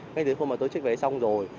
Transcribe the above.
ngay từ hôm mà tôi check vé xong rồi